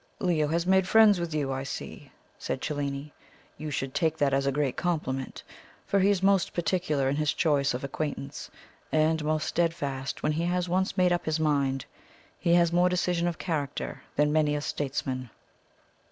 "Leo has made friends with you, I see," said Cellini. "You should take that as a great compliment, for he is most particular in his choice of acquaintance, and most steadfast when he has once made up his mind. He has more decision of character than many a statesman."